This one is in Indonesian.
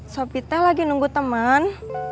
sobite lagi nunggu teman